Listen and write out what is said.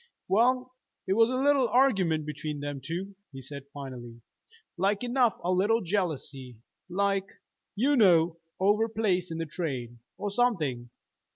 "Well, it was a little argument between them two," he said finally. "Like enough a little jealousy, like, you know over place in the train, or something.